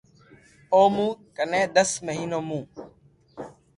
او مون ڪني دس مھينون مون